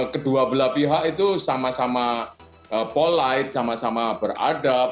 kedua belah pihak itu sama sama polite sama sama beradab